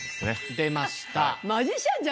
出ました！